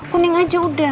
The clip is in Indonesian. kuning aja udah